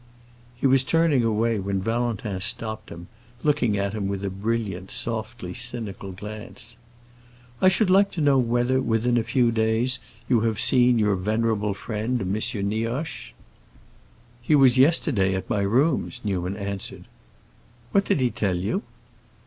He was turning away when Valentin stopped him, looking at him with a brilliant, softly cynical glance. "I should like to know whether, within a few days, you have seen your venerable friend M. Nioche." "He was yesterday at my rooms," Newman answered. "What did he tell you?"